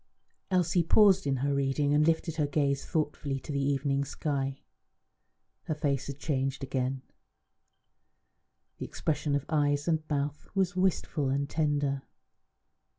Elsie paused in her reading and lifted her gaze thoughtfully to the evening sky. Her face had changed again; the expression of eyes and mouth was wistful and tender.